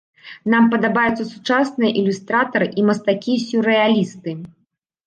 Нам падабаюцца сучасныя ілюстратары і мастакі-сюррэалісты.